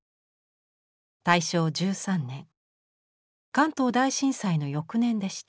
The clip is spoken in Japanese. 大正１３年関東大震災の翌年でした。